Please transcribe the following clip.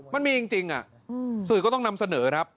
มันมีจริงสื่อก็ต้องนำเสนอครับ